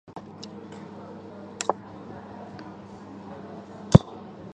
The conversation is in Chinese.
类似定义可以照搬至右模的情况。